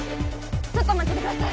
ちょっと待っててください！